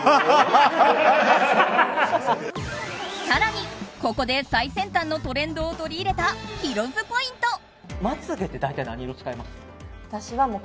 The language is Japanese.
更に、ここで最先端のトレンドを取り入れたヒロ’ｓポイント。